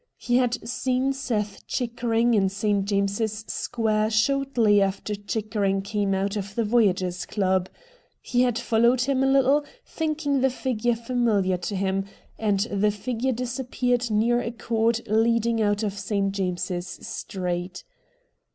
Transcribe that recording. He had seen Seth Chickering in St. James's Square shortly after Chickering came out of the Voyagers' Club — he had followed him a little, thinkincr the fiofure famihar to him, and the figure disappeared near a court leading out of St. James's Street.